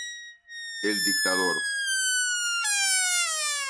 El Dictador.